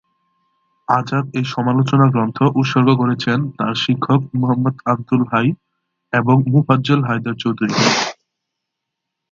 আজাদ এই সমালোচনা গ্রন্থ উৎসর্গ করেছেন তার শিক্ষক মুহম্মদ আবদুল হাই এবং মোফাজ্জল হায়দার চৌধুরীকে।